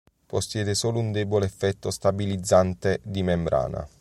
Possiede solo un debole effetto stabilizzante di membrana.